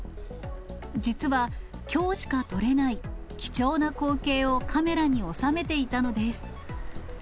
実は、きょうしか撮れない貴重な光景をカメラに収めていたのです。